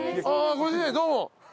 ご主人どうも。